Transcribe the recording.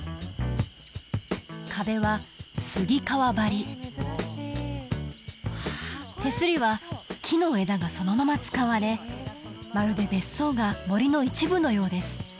壁は手すりは木の枝がそのまま使われまるで別荘が森の一部のようです